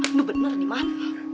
ini bener nih mah